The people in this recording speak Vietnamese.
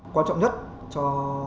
quan trọng nhất cho